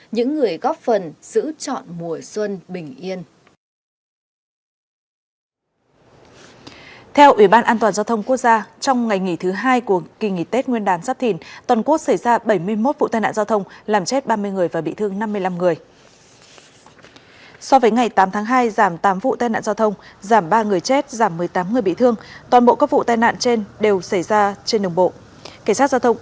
những người góp phần giữ chọn mùa xuân bình yên